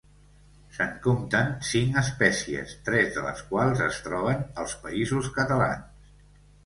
Se'n compten cinc espècies, tres de les quals es troben als Països Catalans.